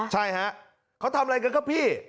ใช่ค่ะเขาทำอะไรกันกันค่ะพี่